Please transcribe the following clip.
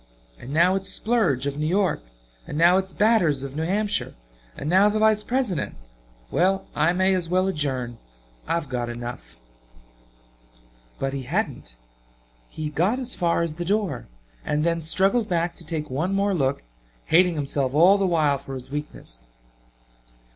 And now its Splurge, of New York; and now its Batters of New Hampshire and now the Vice President! Well I may as well adjourn. I've got enough." But he hadn't. He got as far as the door and then struggled back to take one more look, hating himself all the while for his weakness.